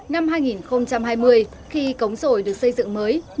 năm hai nghìn hai mươi khi cống rồi được xây dựng mới